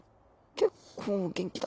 結構元気だ。